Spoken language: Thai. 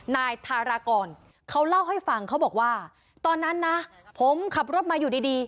นายทารากรเขาเล่าให้ฟังเขาบอกว่าตอนนั้นนะผมขับรถมาอยู่ดีดี